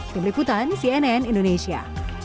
pemilik kutan cnn indonesia